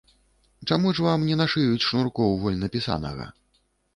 Чаму ж вам не нашыюць шнуркоў вальнапісанага?